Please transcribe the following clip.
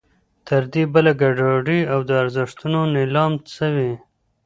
تر دې بله ګډوډي او د ارزښتونو نېلام څه وي.